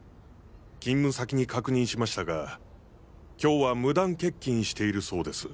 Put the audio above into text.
勤務先に確認しましたが今日は無断欠勤しているそうです。